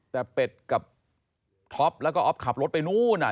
แต่เป็ดกับท็อปแล้วก็อ๊อฟขับรถไปนู้นอ่ะ